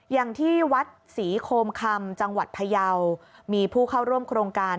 อย่างที่วัดศรีโคมคำจังหวัดพยาวมีผู้เข้าร่วมโครงการ